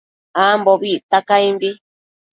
Ambobi icta caimbi